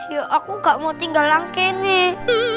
yuk aku gak mau tinggal langke nih